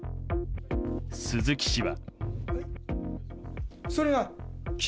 鈴木氏は。